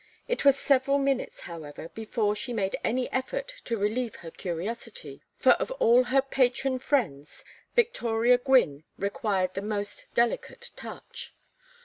It was several minutes, however, before she made any effort to relieve her curiosity, for of all her patron friends Victoria Gwynne required the most delicate touch.